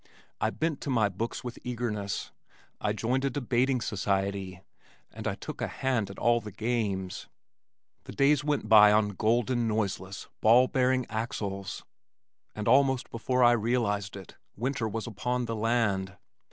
I bent to my books with eagerness, I joined a debating society, and I took a hand at all the games. The days went by on golden, noiseless, ball bearing axles and almost before I realized it, winter was upon the land.